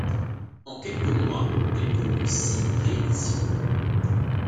En quelques mois, elle connut six rééditions.